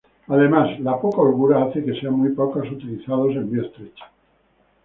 Además, la poca holgura hace que sean muy poco utilizados en vía estrecha.